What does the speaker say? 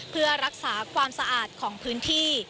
เพื่อรักษาความสะอาดของพื้นที่